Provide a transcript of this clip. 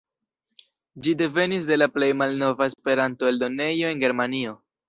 Ĝi devenis de la plej malnova Esperanto-eldonejo en Germanio.